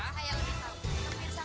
saya lebih tau